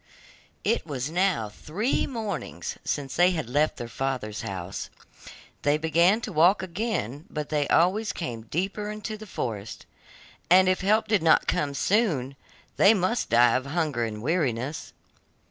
It was now three mornings since they had left their father's house. They began to walk again, but they always came deeper into the forest, and if help did not come soon, they must die of hunger and weariness.